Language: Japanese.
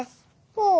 ほう。